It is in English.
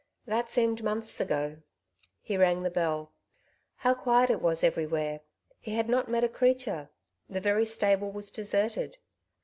'^ That seemed months ago. He rang the belL How quiet it was every where ! he had not met a creature ; the very stable was deserted.